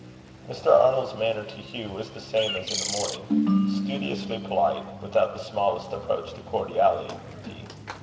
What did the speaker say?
Mr. Arnold's manner to Hugh was the same as in the morning studiously polite, without the smallest approach to cordiality.